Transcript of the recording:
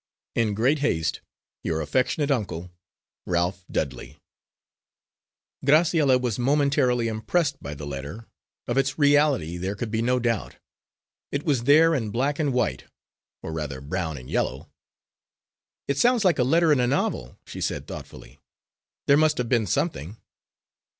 In great haste_, Your affectionate uncle, RALPH DUDLEY" Graciella was momentarily impressed by the letter; of its reality there could be no doubt it was there in black and white, or rather brown and yellow. "It sounds like a letter in a novel," she said, thoughtfully. "There must have been something."